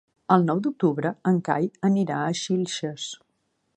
El nou d'octubre en Cai anirà a Xilxes.